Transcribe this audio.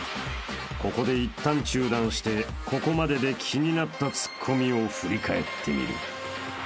［ここでいったん中断してここまでで気になったツッコミを振り返ってみる］